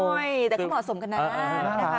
แต่เขาเหมาะสมกันน่า